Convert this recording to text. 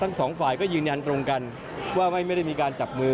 ทั้งสองฝ่ายก็ยืนยันตรงกันว่าไม่ได้มีการจับมือ